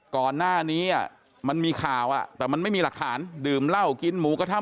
ก่อนหน้านี้มันมีข่าวแต่มันไม่มีหลักฐานดื่มเหล้ากินหมูกระทะ